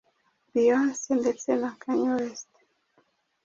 Beyonce ndetse na Kanye West,